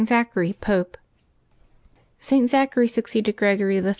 ZACHARY, Pope. ^T. Zachary succeeded Gregory III.